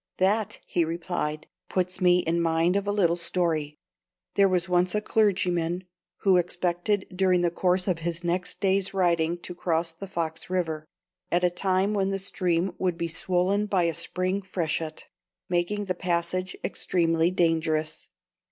"That," he replied, "puts me in mind of a little story. There was once a clergyman, who expected during the course of his next day's riding to cross the Fox River, at a time when the stream would be swollen by a spring freshet, making the passage extremely dangerous.